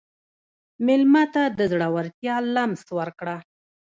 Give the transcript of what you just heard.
مېلمه ته د زړورتیا لمس ورکړه.